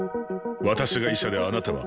私が医者であなたは患者。